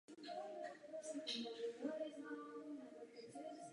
Mnoho domů bylo ponecháno zkáze.